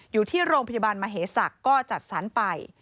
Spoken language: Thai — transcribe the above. อยู่ที่โรงพยาบาลมเหศักดิ์ก็จัดสรรไป